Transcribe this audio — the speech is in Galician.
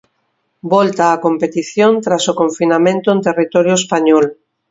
Volta á competición tras o confinamento en territorio español.